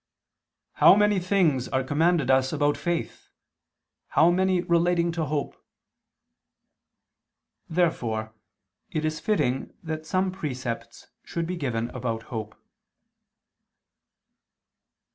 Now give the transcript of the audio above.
"How many things are commanded us about faith! How many relating to hope!" Therefore it is fitting that some precepts should be given about hope.